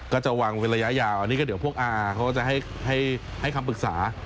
ก็จะวางเป็นระยะยาวอันนี้ก็เดี๋ยวพวกอาเขาจะให้คำปรึกษา